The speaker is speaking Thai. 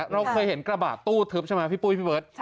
เราเคยเห็นกระบาดตู้ทึบใช่ไหมพี่ปุ้ยพี่เบิร์ต